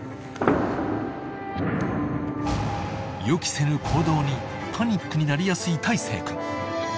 ［予期せぬ行動にパニックになりやすい大生君］